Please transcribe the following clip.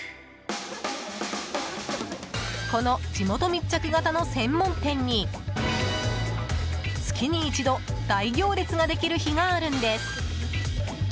この地元密着型の専門店に月に一度大行列ができる日があるんです。